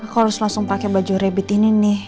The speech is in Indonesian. aku harus langsung pake baju rebit ini nih